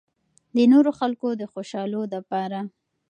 د نورو خلکو د خوشالو د پاره